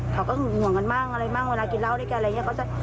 เขาก็หึงห่วงกันบ้างอะไรบ้างเวลากินเหล้าด้วยกันอะไรอย่างนี้